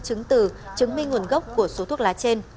chứng từ chứng minh nguồn gốc của số thuốc lá trên